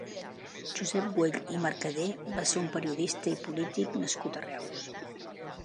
Josep Güell i Mercader va ser un periodista i polític nascut a Reus.